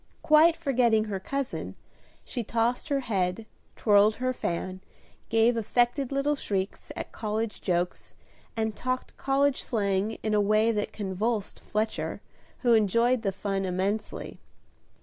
Quite forgetting her cousin, she tossed her head, twirled her fan, gave affected little shrieks at college jokes, and talked college slang in a way that convulsed Fletcher, who enjoyed the fun immensely.